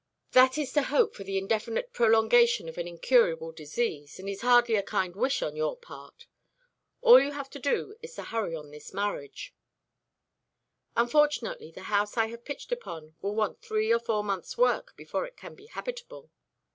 "That is to hope for the indefinite prolongation of an incurable disease, and is hardly a kind wish on your part. All you have to do is to hurry on this marriage." "Unfortunately the house I have pitched upon will want three or four months' work before it can be habitable."